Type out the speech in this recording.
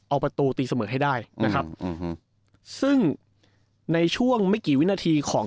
เอาประตูตีเสมอให้ได้นะครับซึ่งในช่วงไม่กี่วินาทีของ